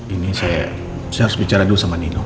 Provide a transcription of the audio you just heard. ini saya harus bicara dulu sama nino